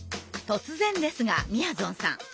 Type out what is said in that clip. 突然ですがみやぞんさん